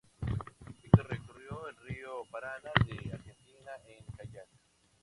Víctor recorrió el río Paraná de Argentina en kayak.